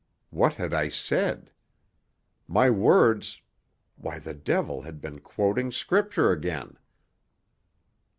What had I said? My words why, the devil had been quoting Scripture again!